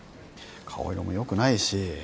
顔色もよくないし。